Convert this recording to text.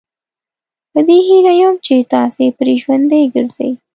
په دې هیله یم چې تاسي پرې ژوندي ګرځئ.